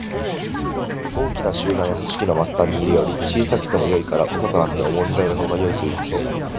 大きな集団や組織の末端にいるより、小さくてもよいから長となって重んじられるほうがよいということ。